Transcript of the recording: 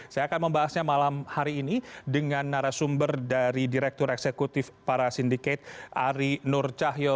saya akan membahasnya malam hari ini dengan narasumber dari direktur eksekutif para sindikat ari nur cahyo